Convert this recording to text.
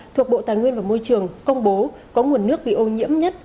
thuộc bộ tài nguyên và môi trường công bố có nguồn nước bị ô nhiễm nhất